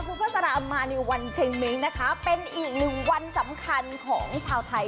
ซูเปอร์สารามมาในวันเชมงนะคะเป็นอีกหนึ่งวันสำคัญของชาวไทย